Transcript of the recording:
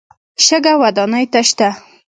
شګه ودانۍ ته شته.